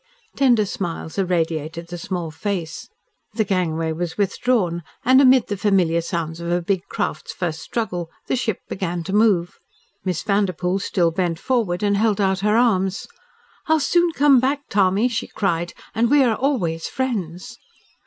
Tender smiles irradiated the small face. The gangway was withdrawn, and, amid the familiar sounds of a big craft's first struggle, the ship began to move. Miss Vanderpoel still bent forward and held out her arms. "I will soon come back, Tommy," she cried, "and we are always friends."